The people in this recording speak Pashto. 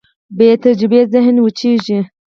بېتجربې ذهن وچېږي.